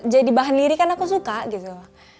jadi bahan lirik kan aku suka gitu